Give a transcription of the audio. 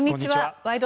「ワイド！